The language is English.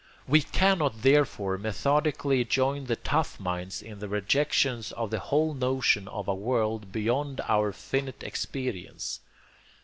We cannot therefore methodically join the tough minds in their rejection of the whole notion of a world beyond our finite experience.